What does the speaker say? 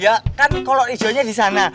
ya kan kolor ijonya di sana